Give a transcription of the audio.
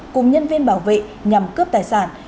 cùng nhân viên bảo vệ nhằm cướp tài sản